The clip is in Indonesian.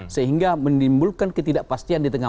sehingga menimbulkan ketidakpastian di tengah